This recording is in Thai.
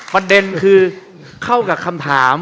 ประเด็นคือเข้ากับคำถาม